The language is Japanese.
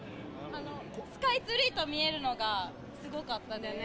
スカイツリーと見えるのがすごかったよね。